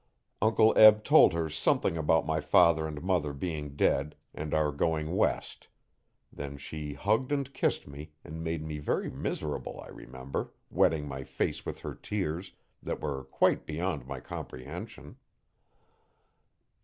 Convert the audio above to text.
Uncle Eb told her something about my father and mother being dead and our going west Then she hugged and kissed me and made me very miserable, I remember, wetting my face with her tears, that were quite beyond my comprehension.